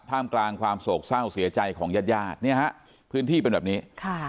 กลางกลางความโศกเศร้าเสียใจของญาติญาติเนี่ยฮะพื้นที่เป็นแบบนี้